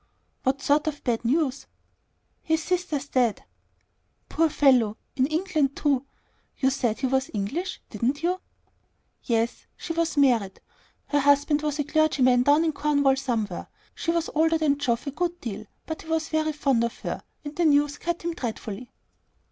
"What sort of bad news?" "His sister's dead." "Poor fellow! In England too! You said he was English, didn't you?" "Yes. She was married. Her husband was a clergyman down in Cornwall somewhere. She was older than Geoff a good deal; but he was very fond of her, and the news cut him up dreadfully."